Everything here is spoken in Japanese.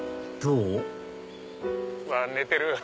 うわ寝てる！